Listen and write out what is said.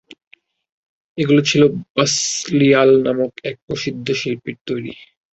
এগুলো ছিল বাসলিয়াল নামক এক প্রসিদ্ধ শিল্পীর তৈরি।